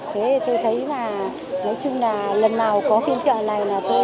thế tôi thấy là nói chung là lần nào có phiên trợ này là tôi sẽ đến là năm thứ hai rồi